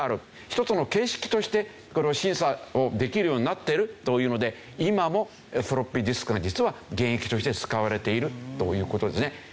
一つの形式としてこれを審査をできるようになっているというので今もフロッピーディスクが実は現役として使われているという事ですね。